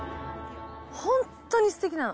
本当にすてきなの。